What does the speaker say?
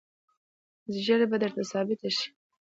ژر به درته ثابته شي.